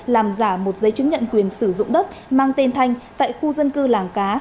làm giả một giấy chứng nhận quyền sử dụng đất mang tên thanh tại khu dân cư làng cá